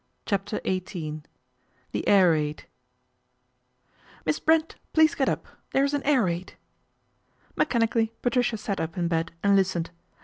CHAPTER XVIII THE AIR RAID ' iy /f ISS BRENT, please get up. There's an V/l air raid." " Mechanically Patricia sat up in bed and listened.